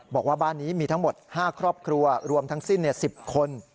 บอกว่าบ้านนี้มีทั้งหมด๕ครอบครัวรวมทั้งสิ้น๑๐คน